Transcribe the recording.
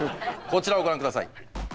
こちらをご覧下さい。